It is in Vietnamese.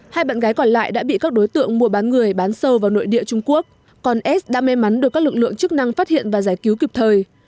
hai bạn gái còn lại đã bị các đối tượng mua bán người bán sâu vào nội địa trung quốc còn s đã may mắn được các lực lượng chức năng phát hiện và giải cứu kịp thời